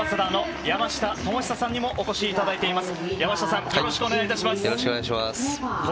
そして、アンバサダーの山下智久さんにもお越しいただいています。